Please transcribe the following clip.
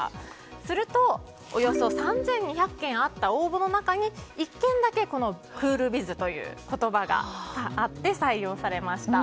すると、およそ３２００件あった応募の中に１件だけ、このクールビズという言葉があって採用されました。